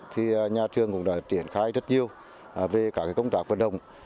thì nhà trường cũng đã triển khai rất nhiều về các công tác vận động